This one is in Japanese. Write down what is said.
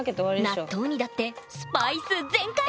納豆にだってスパイス全開！